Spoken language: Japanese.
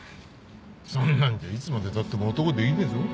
そんなんじゃいつまでたっても男できねえぞ。